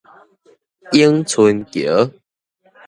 永春橋